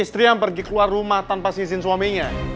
istri yang pergi keluar rumah tanpa seizin suaminya